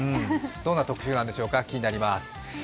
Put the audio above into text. どんな特集なんでしょうか、気になります。